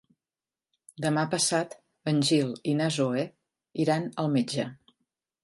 Demà passat en Gil i na Zoè iran al metge.